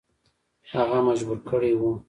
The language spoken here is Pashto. هغه مجبور کړی وو.